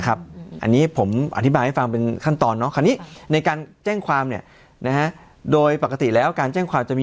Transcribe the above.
วันนั้นเจ้าหน้าที่บอกให้ลงมาที่ประจำวันใช่ไหมใช่